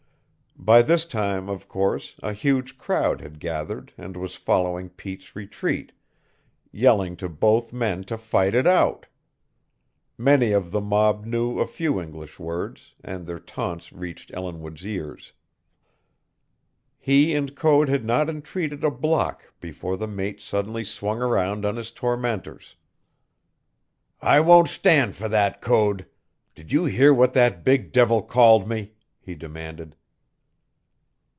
By this time, of course, a huge crowd had gathered and was following Pete's retreat, yelling to both men to fight it out. Many of the mob knew a few English words, and their taunts reached Ellinwood's ears. He and Code had not retreated a block before the mate suddenly swung around on his tormentors. "I won't stand for that, Code. Did you hear what that big devil called me?" he demanded.